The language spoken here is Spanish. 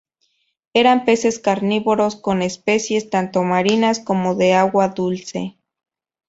Eran peces carnívoros con especies tanto marinas como de agua dulce.